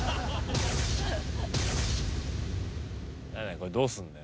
これどうすんだよ？